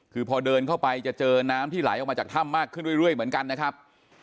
คือพอเดินเข้าไปจะเจอน้ำที่ไหลออกมาจากถ้ำมากขึ้นเรื่อยเหมือนกันนะครับ